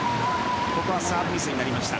ここはサーブミスになりました。